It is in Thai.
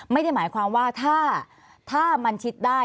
ไม่ได้หมายความว่าถ้ามันชิดได้